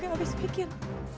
gak habis pikir